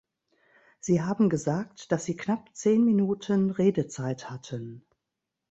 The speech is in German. Sie haben gesagt, dass Sie knapp zehn Minuten Redezeit hatten.